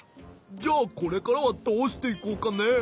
じゃあこれからはどうしていこうかねえ？